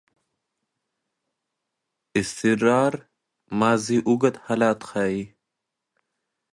استمراري ماضي اوږد حالت ښيي.